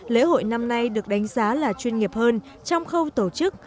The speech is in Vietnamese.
lễ hội năm nay được đánh giá là chuyên nghiệp hơn trong khâu tổ chức